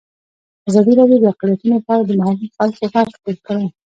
ازادي راډیو د اقلیتونه په اړه د محلي خلکو غږ خپور کړی.